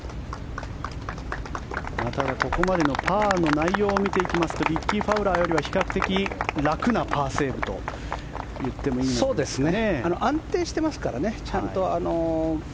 ただ、ここまでのパーの内容を見ていきますとリッキー・ファウラーよりは比較的楽なパーセーブといってもいいんですかね。